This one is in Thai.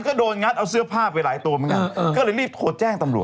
ก็โดนงัดเอาเสื้อผ้าไปหลายตัวเหมือนกันก็เลยรีบโทรแจ้งตำรวจ